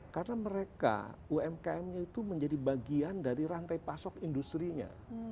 karena mereka umkmnya itu menjadi bagian dari rantai pasok industri nya